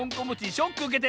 ショックうけてんの？